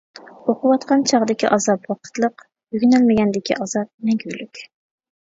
ئوقۇۋاتقان چاغدىكى ئازاب ۋاقىتلىق، ئۆگىنەلمىگەندىكى ئازاب مەڭگۈلۈك.